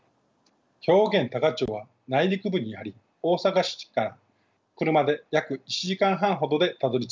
兵庫県多可町は内陸部にあり大阪市から車で約１時間半ほどでたどりつきます。